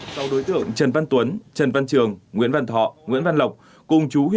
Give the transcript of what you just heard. sau đối tượng trần văn tuấn trần văn trường nguyễn văn thọ nguyễn văn lộc